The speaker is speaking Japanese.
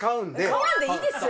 買わんでいいですよ。